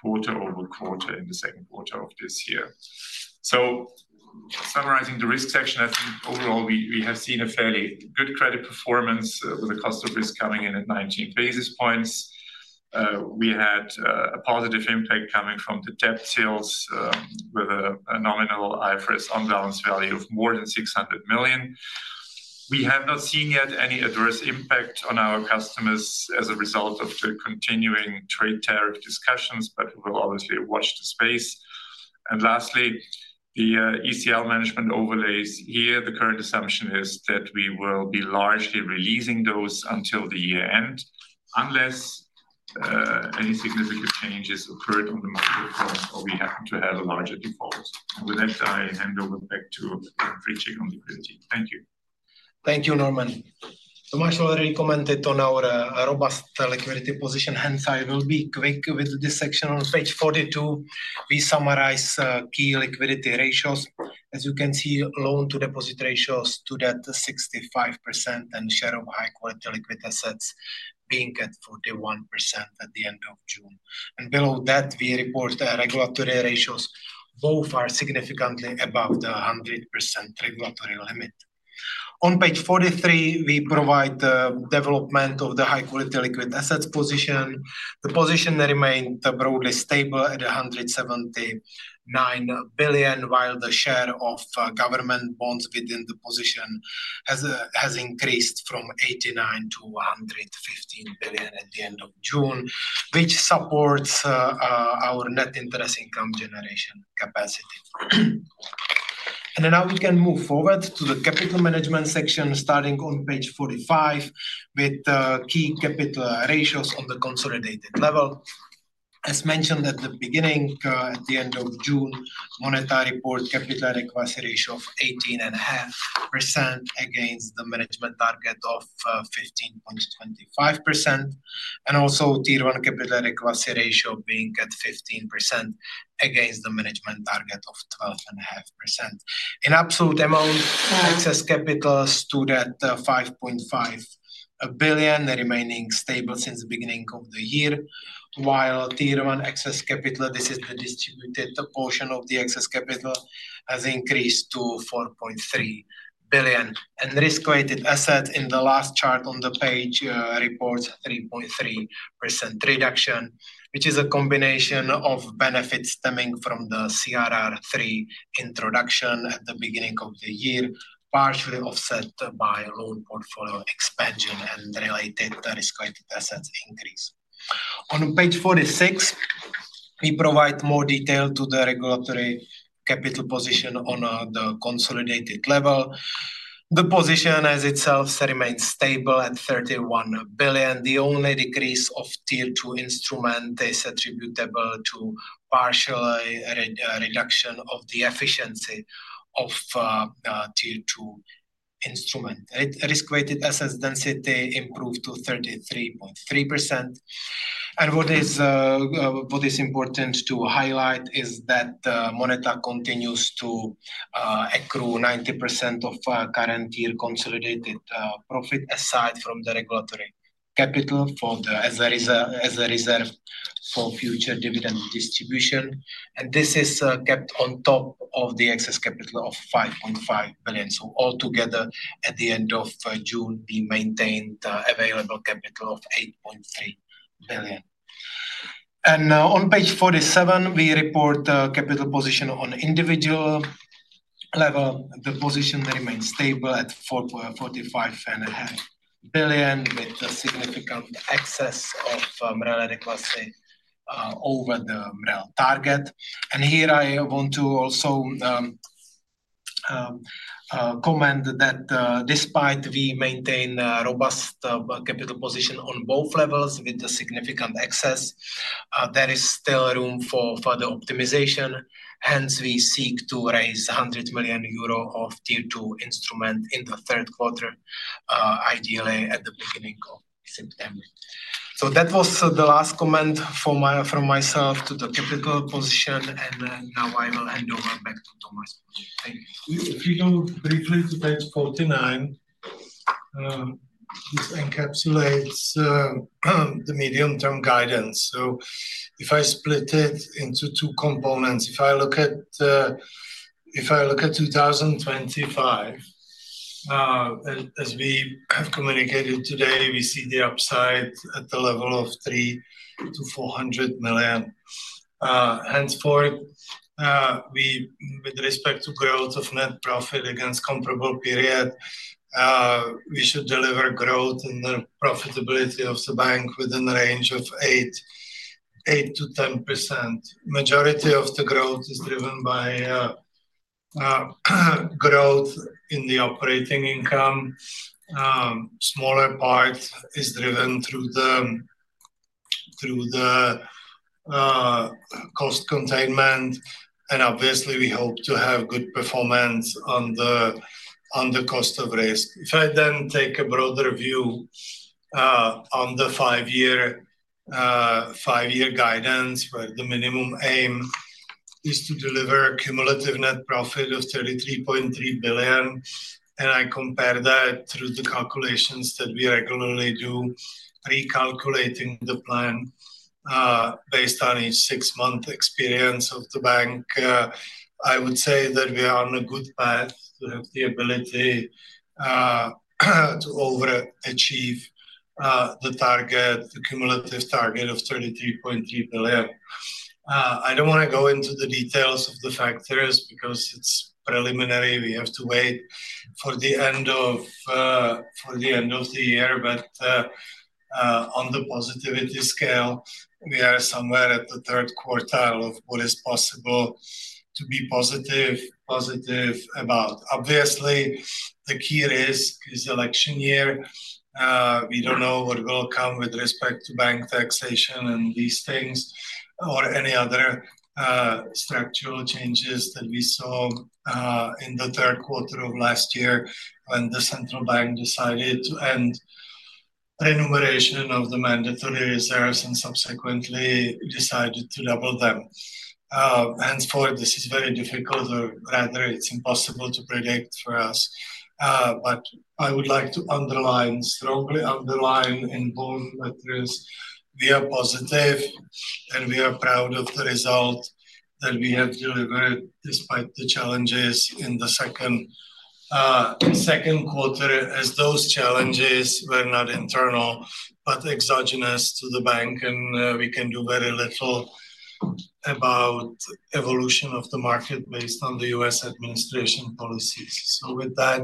quarter over quarter in the second quarter of this year. So summarizing the risk section, I think overall, we have seen a fairly good credit performance with the cost of risk coming in at 19 basis points. We had a positive impact coming from the debt sales with a nominal IFRS unbalance value of more than 600,000,000. We have not seen yet any adverse impact on our customers as a result of the continuing trade tariff discussions, but we'll obviously watch the space. And lastly, the ECL management overlays here. The current assumption is that we will be largely releasing those until the year end unless any significant changes occurred on the market or we happen to have a larger default. With that, I hand over back to Fritzig on liquidity. Thank you. Thank you, Norman. So Marcelo recommended on our robust liquidity position. Hence, I will be quick with this section on page 42. We summarize key liquidity ratios. As you can see, loan to deposit ratios stood at 65% and share of high quality liquid assets being at 41% at the June. And below that, we report the regulatory ratios both are significantly above the 100% regulatory limit. On page 43, we provide the development of the high quality liquid assets position. The position remained broadly stable at 179,000,000,000, while the share of government bonds within the position has has increased from 89 to 115,000,000,000 at the June, which supports our net interest income generation capacity. And then now we can move forward to the capital management section starting on page 45 with key capital ratios on the consolidated level. As mentioned at the beginning, at the June, Moneta report, capital adequacy ratio of 18.5% against the management target of 15.25%. And also, Tier one capital adequacy ratio being percent against the management target of 12 and a half percent. In absolute amount, excess capital stood at 5,500,000,000.0, the remaining stable since the beginning of the year. While tier one excess capital, this is the distributed portion of the excess capital has increased to 4,300,000,000.0. And risk weighted assets in the last chart on the page reports 3.3% reduction, which is a combination of benefits stemming from the CRR three introduction at the beginning of the year, partially offset by loan portfolio expansion and related risk weighted assets increase. On Page 46, we provide more detail to the regulatory capital position on the consolidated level. The position as itself remains stable at 31,000,000,000. The only decrease of tier two instrument is attributable to partial red reduction of the efficiency of tier two instrument. Risk weighted assets density improved to 33.3%. And what is what is important to highlight is that Moneta continues to accrue 90% of current year consolidated profit aside from the regulatory capital for the as a for future dividend distribution. And this is kept on top of the excess capital of 5,500,000,000.0. So altogether, at the June, we maintained available capital of EUR $8,300,000,000 And on Page 47, we report capital position on individual level. The position remains stable at $445,500,000,000.0 with a significant excess of MREL and reclass a over the MREL target. And here, I want to also comment that despite we maintain robust capital position on both levels with the significant excess, there is still room for further optimization. Hence, we seek to raise a €100,000,000 of tier two instrument in the third quarter ideally at the September. So that was the last comment for my for myself to the typical position, and then now I will hand over back to Thomas. Thank you. If you go briefly to page 49, this encapsulates the medium term guidance. So if I split it into two components, if I look at if I look at 02/2025, as we have communicated today, we see the upside at the level of 3 to 400,000,000. Henceforth, we with respect to growth of net profit against comparable period, we should deliver growth in the profitability of the bank within the range of eight eight to 10%. Majority of the growth is driven by growth in the operating income. Smaller part is driven through the through the cost containment. And, obviously, we hope to have good performance on the on the cost of risk. If I then take a broader view on the five year five year guidance, where the minimum aim is to deliver a cumulative net profit of 33,300,000,000.0, and I compare that through the calculations that we regularly do, recalculating the plan based on a six month experience of the bank, I would say that we are on a good path to have the ability to overachieve the target the cumulative target of 33,300,000,000.0. I don't wanna go into the details of the factors because it's preliminary. We have to wait for the end of for the end of the year. But on the positivity scale, we are somewhere at the third quartile of what is possible to be positive positive about. Obviously, the key risk is election year. We don't know what will come with respect to bank taxation and these things or any other structural changes that we saw in the third quarter of last year when the central bank decided to end remuneration of the mandatory reserves and subsequently decided to double them. Henceforth, this is very difficult or rather it's impossible to predict for us. But I would like to underline strongly underline in both letters, we are positive, and we are proud of the result that we have delivered despite the challenges in the second second quarter as those challenges were not internal, but exogenous to the bank, and we can do very little about evolution of the market based on the US administration policies. So with that,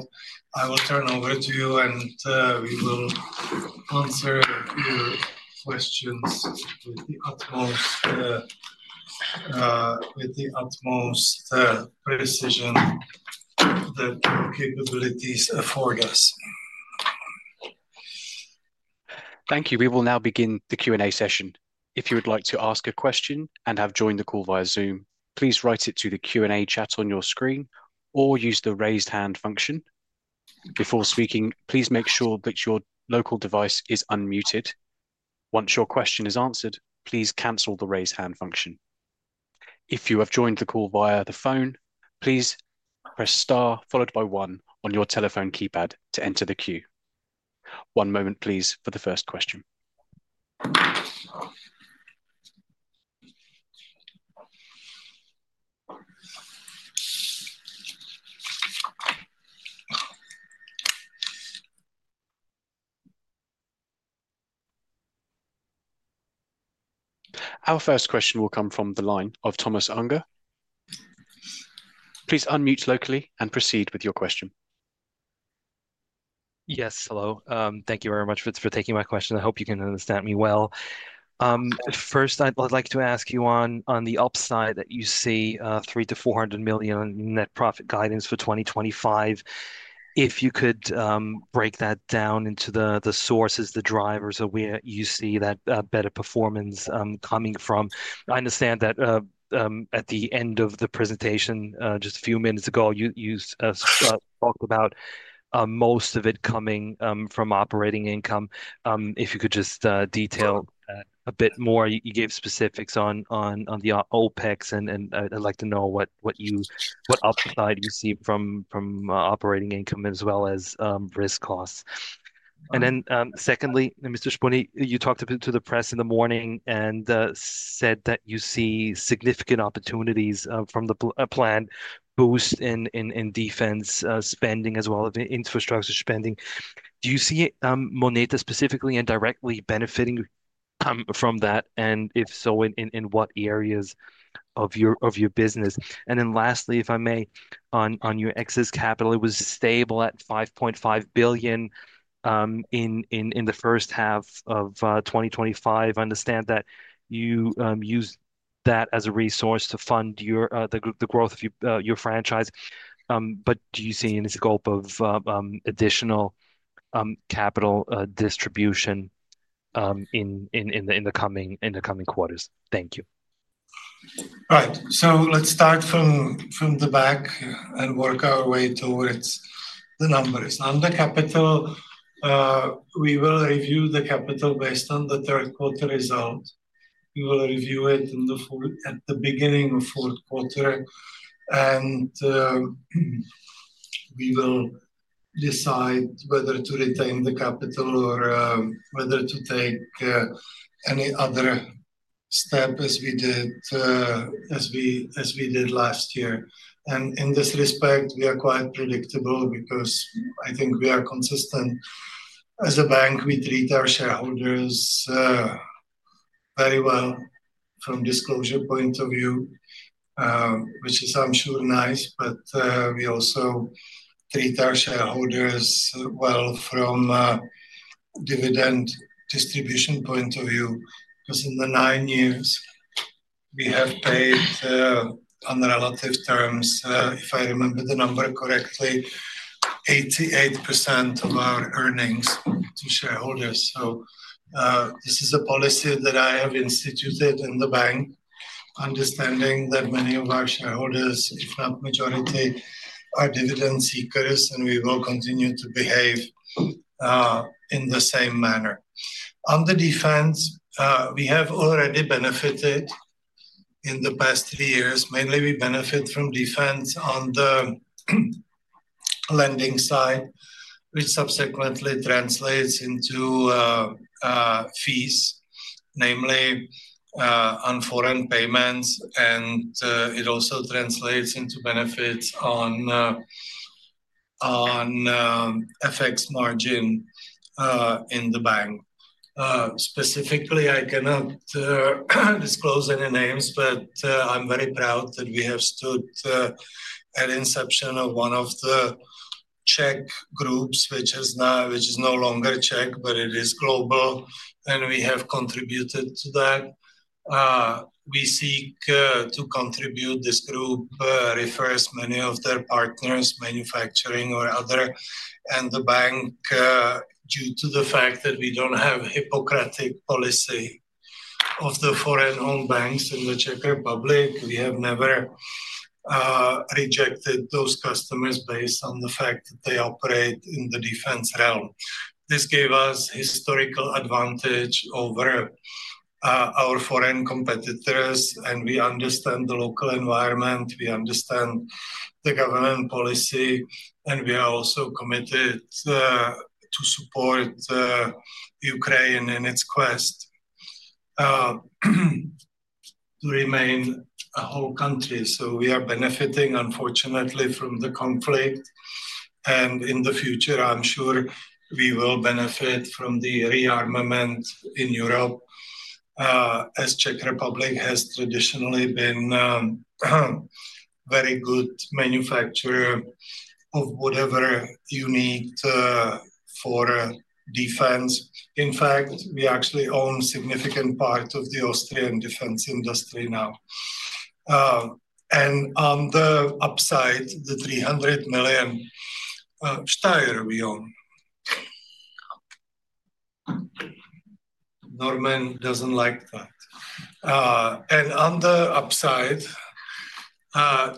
I will turn over to you, and we will answer your questions with the utmost the utmost precision that capabilities afford us. Thank you. We will now begin the q and a session. And A session. Our first question will come from the line of Thomas Unger. Please unmute locally and proceed with your question. Yes. Hello. Thank you very much for taking my question. I hope you can understand me well. First, I'd like to ask you on the upside that you see 300 to €400,000,000 net profit guidance for 2025. If you could break that down into the sources, the drivers of where you see that better performance coming from. I understand that at the end of the presentation just a few minutes ago, talked about most of it coming, from operating income. If you could just, detail a bit more. You you gave specifics on on on the OpEx, and and I'd I'd like to know what what you what upside you see from from, operating income as well as, risk costs. And then, secondly, mister Spoonie, you talked a bit to the press in the morning and, said that you see significant opportunities, from the plan boost in in in defense, spending as well as infrastructure spending. Do you see, Moneta specifically and directly benefiting, from that? And if so, in in in what areas of your of your business? And then lastly, if I may, on on your excess capital, it was stable at 5,500,000,000.0, in in in the first half of, 2025. I understand that you, used that as a resource to fund your the group the growth of your your franchise. But do you see any scope of additional capital distribution in in in the in the coming in the coming quarters? Thank you. Right. So let's start from from the back and work our way towards the numbers. On the capital, we will review the capital based on the third quarter result. We will review it in the full at the beginning of fourth quarter, and we will decide whether to retain the capital or whether to take any other step as we did as we as we did last year. And in this respect, we are quite predictable because I think we are consistent. As a bank, we treat our shareholders very well from disclosure point of view, which is, I'm sure, nice, but we also treat our shareholders well from dividend distribution point of view. Because in the nine years, we have paid on the relative terms, if I remember the number correctly, 88% of our earnings to shareholders. So this is a policy that I have instituted in the bank, understanding that many of our shareholders, if not majority, are dividend seekers, and we will continue to behave in the same manner. On the defense, we have already benefited in the past three years. Mainly, we benefit from defense on the lending side, which subsequently translates into fees, namely on foreign payments, and it also translates into benefits on on FX margin in the bank. Specifically, I cannot disclose any names, but I'm very proud that we have stood at inception of one of the Czech groups, which is now which is no longer Czech, but it is global, and we have contributed to that. We seek to contribute this group, refers many of their partners, manufacturing or other, and the bank due to the fact that we don't have a Hippocratic policy of the foreign owned banks in the Czech Republic, we have never rejected those customers based on the fact that they operate in the defense realm. This gave us historical advantage over our foreign competitors, and we understand the local environment. We understand the government policy, and we are also committed to support Ukraine in its quest to remain a whole country. So we are benefiting, unfortunately, from the conflict. And in the future, I'm sure we will benefit from the rearmament in Europe as Czech Republic has traditionally been very good manufacturer of whatever you need for defense. In fact, we actually own significant part of the Austrian defense industry now. And on the upside, the 300,000,000 we own. Norman doesn't like that. And on the upside,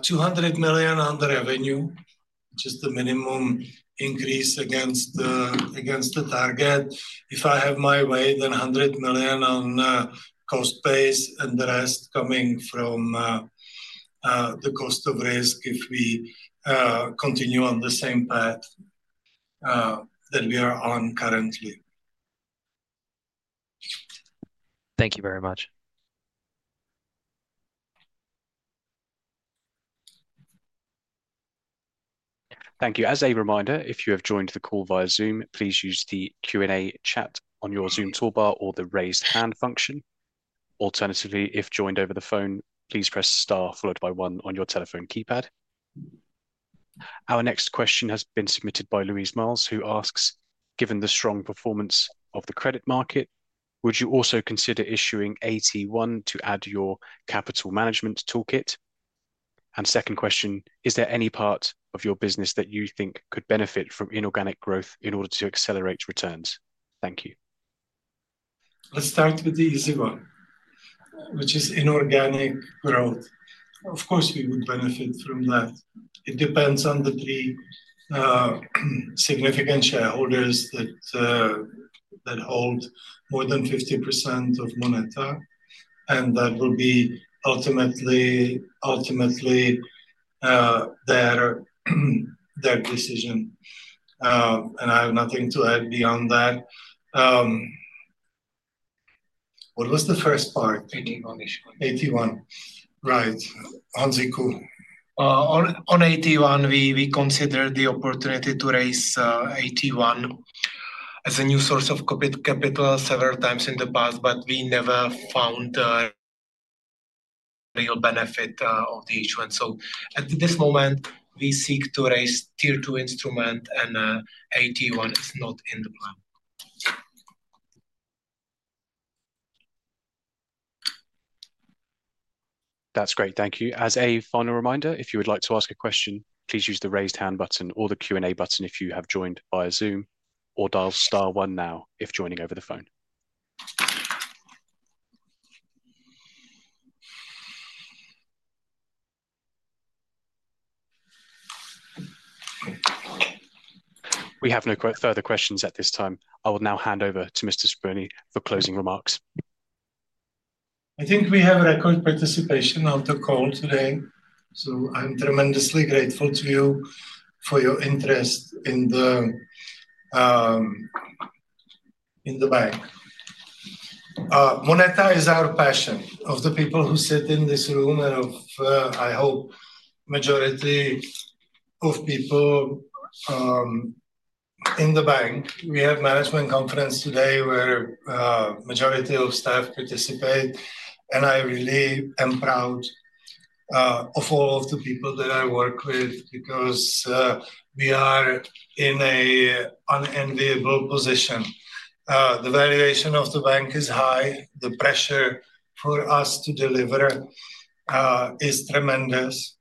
200,000,000 on the revenue, just the minimum increase against the against the target. If I have my way, then a 100,000,000 on cost base and the rest coming from the cost of risk if we continue on the same path that we are on currently. Thank you very much. Thank you. As a reminder, if you have joined the call via Zoom, please use the q and a chat on your Zoom toolbar or the raised hand function. Alternatively, if joined over the phone, please press star followed by one on your telephone keypad. Our next question has been submitted by Louise Miles, who asks, given the strong performance of the credit market, would you also consider issuing AT1 to add your capital management toolkit? And second question, is there any part of your business that you think could benefit from inorganic growth in order to accelerate returns? Thank you. Let's start with the easy one, which is inorganic growth. Of course, we would benefit from that. It depends on the three significant shareholders that that hold more than 50% of Moneta, and that will be ultimately ultimately their their decision. And I have nothing to add beyond that. What was the first part? 81 issue. 81. Right. On the call. On on 81, we we consider the opportunity to raise eighty one as a new source of corporate capital several times in the past, but we never found real benefit of the issuance. So at this moment, we seek to raise tier two instrument, and eighty one is not in the plan. That's great. Thank you. As a final reminder, if you would like to ask a question, please use the raised hand button or the q and a button if you have joined via Zoom, or dial star one now if joining over the phone. We have no further questions at this time. I will now hand over to mister Speroni for closing remarks. I think we have record participation of the call today. So I'm tremendously grateful to you for your interest in the in the bank. Moneta is our passion. Of the people who sit in this room and of, I hope, majority of people in the bank. We have management conference today where majority of staff participate, and I really am proud of all of the people that I work with because we are in a unenviable position. The valuation of the bank is high. The pressure for us to deliver is tremendous.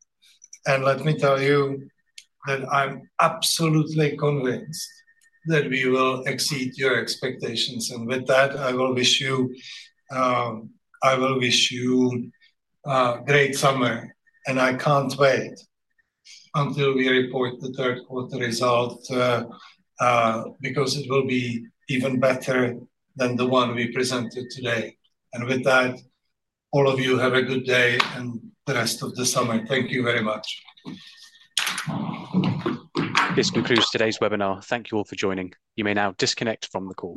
And let me tell you that I'm absolutely convinced that we will exceed your expectations. And with that, I will wish you I will wish you a great summer, and I can't wait until we report the third quarter result because it will be even better than the one we presented today. And with that, all of you have a good day and the rest of the summer. Thank you very much. This concludes today's webinar. Thank you all for joining. You may now disconnect from the call.